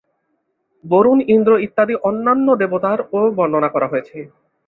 বরুণ, ইন্দ্র ইত্যাদি অন্যান্য দেবতার ও বর্ণনা করা হয়েছে।